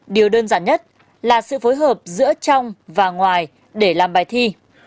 điều đơn giản nhất là sự phối hợp giữa trong và ngoài để làm bài thi